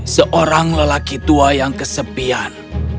seorang lelaki tua yang kesepian